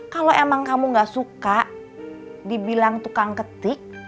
kalau emang kamu gak suka dibilang tukang ketik